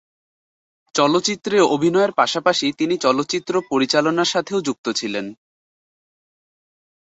চলচ্চিত্রে অভিনয়ের পাশাপাশি তিনি চলচ্চিত্র পরিচালনার সাথেও যুক্ত ছিলেন।